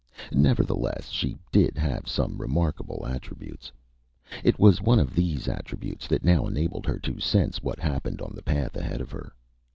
Nevertheless, she did have some remarkable attributes. It was one of these attributes that now enabled her to sense what happened on the path ahead of her.